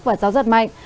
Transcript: và gió giật mạnh